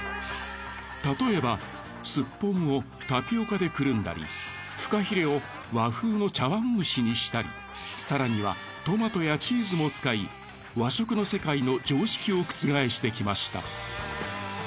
たとえばすっぽんをタピオカでくるんだりフカヒレを和風の茶碗蒸しにしたり更にはトマトやチーズも使い和食の世界の常識を覆してきました。